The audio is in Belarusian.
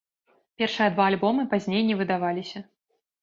Першыя два альбомы пазней не выдаваліся.